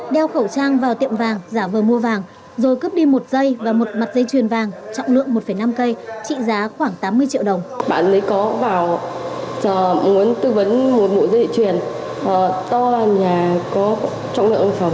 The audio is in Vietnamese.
đeo khẩu trang vào tiệm vàng giả vờ mua vàng rồi cướp đi một giây và một mặt dây chuyền vàng trọng lượng một năm cây trị giá khoảng tám mươi triệu đồng